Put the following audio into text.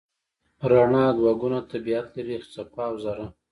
رڼا دوه ګونه طبیعت لري: څپه او ذره.